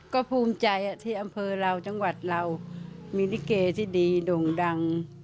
ก็ภูมิใจที่อำเภอเราจังหวัดเรามีลิเกที่ดีด่งดัง